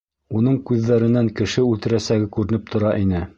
Уның күҙҙәренән кеше үлтерәсәге күренеп тора ине!